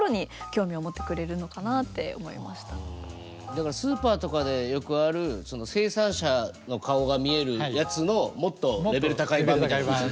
だからスーパーとかでよくある生産者の顔が見えるやつのもっとレベル高い版みたいな。